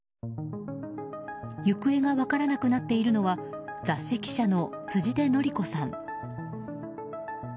行方が分からなくなっているのは雑誌記者の辻出紀子さん。